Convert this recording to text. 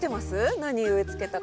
何植えつけたか。